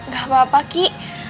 gak apa apa ki